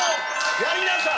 やりなさい。